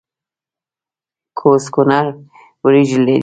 کوز کونړ وریجې لري؟